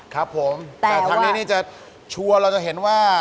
ครับผมแต่ทางนี้นี่จะชัวร์เราจะเห็นว่า